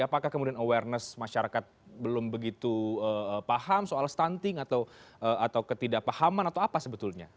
apakah kemudian awareness masyarakat belum begitu paham soal stunting atau ketidakpahaman atau apa sebetulnya